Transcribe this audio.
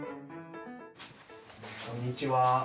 こんにちは。